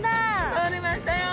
とれましたよ！